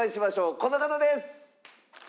この方です！